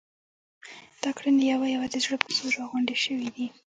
دا ګړنی یوه یوه د زړه په زور را غونډې شوې دي.